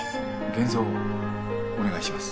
現像をお願いします。